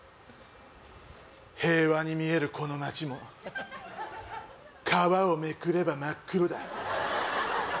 平和に見えるこの街も皮をめくれば真っ黒だ